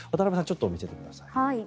ちょっと見せてください。